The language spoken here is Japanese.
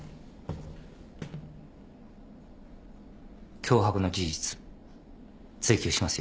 脅迫の事実追求しますよ。